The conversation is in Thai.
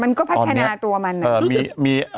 มันก็พัฒนาตัวมันนะ